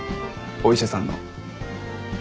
お医者さんの。